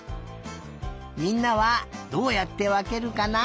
みんなはどうやってわけるかな？